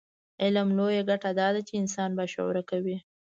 علم لویه ګټه دا ده چې انسان باشعوره کوي.